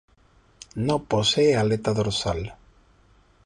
No posee aleta dorsal.